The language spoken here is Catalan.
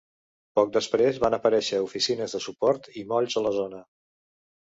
Poc després, van aparèixer oficines de suport i molls a la zona.